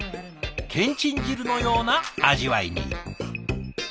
けんちん汁のような味わいに。